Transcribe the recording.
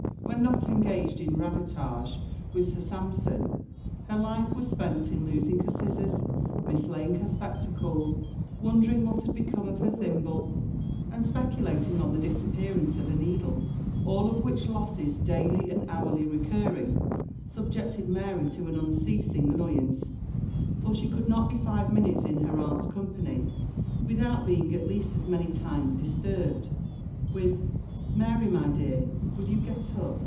When not engaged in radotage with Sir Sampson, her life was spent in losing her scissors, mislaying her spectacles, wondering what had become of her thimble, and speculating on the disappearance of a needle all of which losses daily and hourly recurring, subjected Mary to an unceasing annoyance, for she could not be five minutes in her aunt's company without out being at least as many times disturbed, with "Mary, my dear, will you get up?